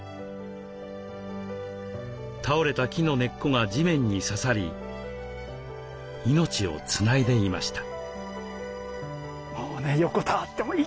倒れた木の根っこが地面に刺さり命をつないでいました。